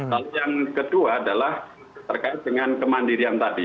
lalu yang kedua adalah terkait dengan kemandirian tadi